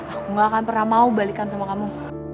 aku gak akan pernah mau balikan sama kamu